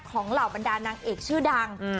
ของเหล่ามันดารนางเอกชื่อดัง